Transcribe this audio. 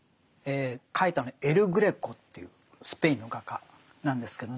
描いたのはエル・グレコというスペインの画家なんですけどね。